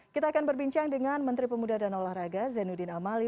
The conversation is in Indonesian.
kita akan berbincang dengan menteri pemuda dan olahraga zainuddin amali